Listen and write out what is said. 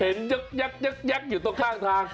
เห็นยักอยู่ตรงข้างทาง